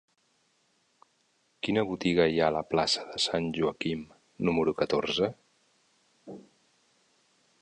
Quina botiga hi ha a la plaça de Sant Joaquim número catorze?